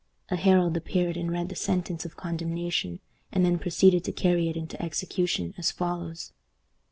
A herald appeared and read the sentence of condemnation, and then proceeded to carry it into execution, as follows.